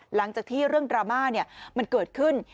หลังจากที่เรื่องดราม่ามันเกิดขึ้น